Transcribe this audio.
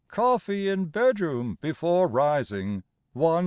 Coffee in bedroom before rising, 1s.